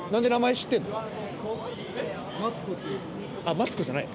マツコじゃない。